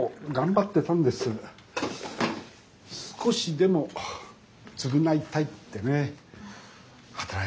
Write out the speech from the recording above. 少しでも償いたいってね働いたお金をためて。